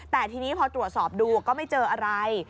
แต่ทีนี้พอตรวจสอบดูก็ไม่เจออะไร